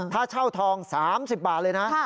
ถ้าเช่าทอง๓๐บาทเลยนะ